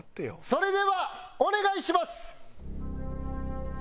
それではお願いします！